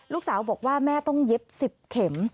ลูกสาวบอกว่าแม่ต้องเย็บ๑๐เข็ม